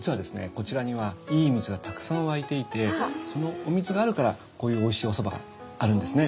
こちらにはいい水がたくさん湧いていてそのお水があるからこういうおいしいおそばがあるんですね。